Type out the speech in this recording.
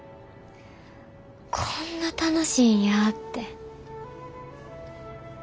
こんな楽しいんやって。